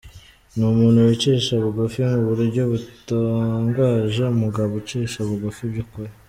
Ni umuntu wicisha bugufi mu buryo butangaje - umugabo ucisha bugufi by’ukuri.